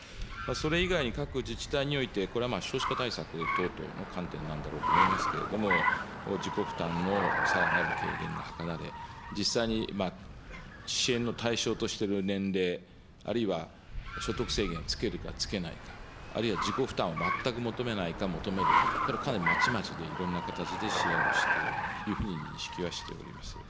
それ以外に各自治体において、これはまあ少子化対策等々の観点なんだろうと思いますけれども、自己負担のさらなる軽減が図られ、実際に支援の対象としてる年齢、あるいは所得制限をつけるかつけないか、あるいは自己負担を全く求めないか、求めるか、これ、かなりまちまちで、いろんな形で支援をしているというふうに認識はしております。